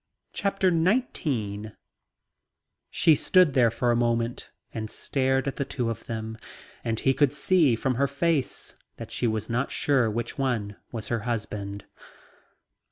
CHAPTER NINETEEN She stood there for a moment and stared at the two of them, and he could see from her face that she was not sure which one was her husband.